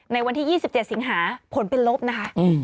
ในวันที่๒๗สิงหาผลเป็นลบนะคะ